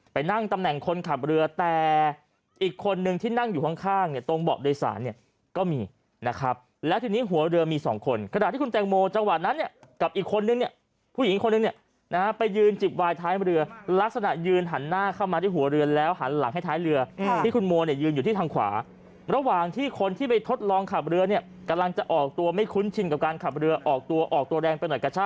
ไปนั่งตำแหน่งคนขับเรือแต่อีกคนนึงที่นั่งอยู่ข้าง